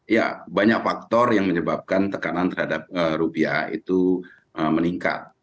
ya banyak faktor yang menyebabkan tekanan terhadap rupiah itu meningkat